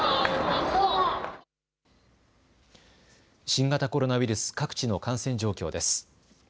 新型コロナウイルス各地の感染状況です。